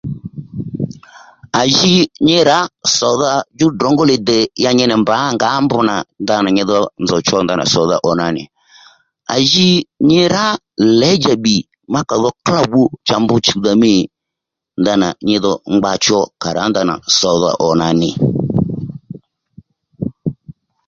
À ji nyi rǎ sò-dha djú ddrǒngóli dè ya nyi nì mbǎ ngǎ mbr nà ndanà nyi dho nzòw cho ndana sò dha ò nǎ nì à ji nyi rǎ lědjà bbì má kà dho klôw bbu cha mbr chùw dha mî ndanà nyi dho ndanà ngba cho kà rǎ ndanà sò-dhà ò nà nì